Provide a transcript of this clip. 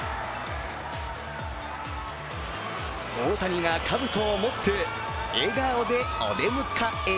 大谷がかぶとを持って笑顔でお出迎え。